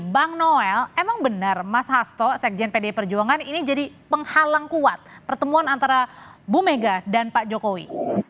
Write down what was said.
bang noel emang benar mas hasto sekjen pdi perjuangan ini jadi penghalang kuat pertemuan antara bu mega dan pak jokowi